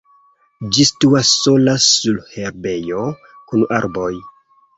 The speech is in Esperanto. Ĝi situas sola sur herbejo kun arboj.